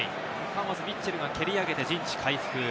ミッチェルが切り上げて、陣地回復。